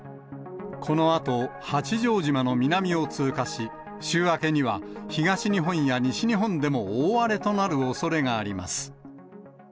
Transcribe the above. このあと、八丈島の南を通過し、週明けには、東日本や西日本でも大荒れとなるおそれがあります。